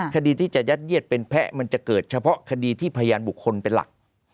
คดีที่จะยัดเยียดเป็นแพ้มันจะเกิดเฉพาะคดีที่พยานบุคคลเป็นหลัก